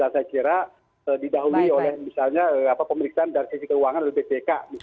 saya kira didahului oleh misalnya pemeriksaan dari sisi keuangan oleh bpk